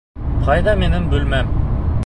Ҡайҙа минең бүлмәм?